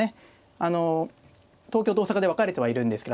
あの東京と大阪で分かれてはいるんですけど